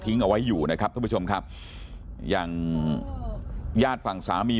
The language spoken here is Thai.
เอาไว้อยู่นะครับท่านผู้ชมครับอย่างญาติฝั่งสามี